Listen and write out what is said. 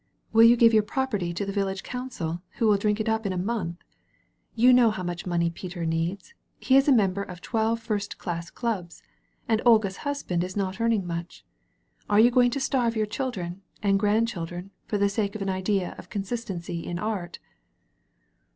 Will you give your property to the village council who will drink it up in a month? You know how much money Peter needs; he is a member of twelve first dass clubs. And Olga's husband is not earning much. Are you going to starve your children and grandchildren for the sake of an idea of consistency in art?